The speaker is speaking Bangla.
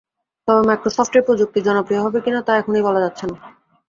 তবে মাইক্রোসফটের প্রযুক্তি জনপ্রিয় হবে কি না তা এখনই বলা যাচ্ছে না।